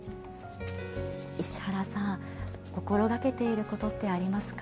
石原さん心がけていることってありますか？